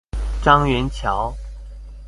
樟原橋